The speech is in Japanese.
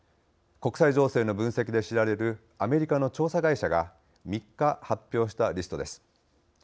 国際情勢の分析で知られるアメリカの調査会社が３日発表したリストです。